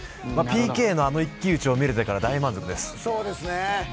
ＰＫの一騎打ちを見られたから大満足です。